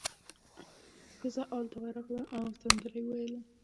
ښځه ال ته ورغله او سندره یې وویله.